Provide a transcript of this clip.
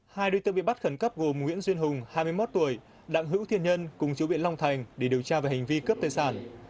hai đối tượng bị bắt khẩn cấp gồm nguyễn duyên hùng hai mươi một tuổi đặng hữu thiên nhân cùng chú biện long thành để điều tra về hành vi cướp tài sản